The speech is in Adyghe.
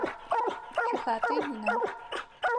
Шъуихатэ ина?